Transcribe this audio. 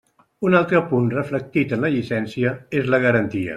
Un altre punt reflectit en la llicència és la garantia.